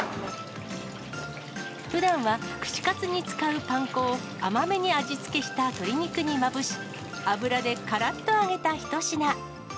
ふだんは串カツに使うパン粉を甘めに味付けした鶏肉にまぶし、油でからっと揚げた一品。